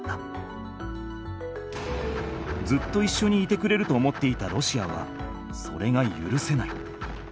ずっといっしょにいてくれると思っていたロシアはそれがゆるせない。